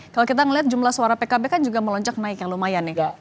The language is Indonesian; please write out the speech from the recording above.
kalau kita melihat jumlah suara pkb kan juga melonjak naik yang lumayan ya